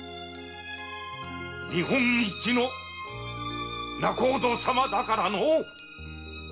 日本一の仲人様だからのう！